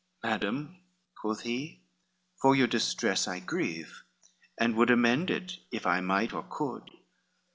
LII "Madam," quoth he, "for your distress I grieve, And would amend it, if I might or could.